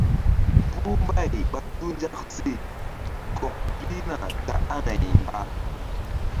Puh mbay ɓa tu nzak she kɔk pihna ta aŋay mba.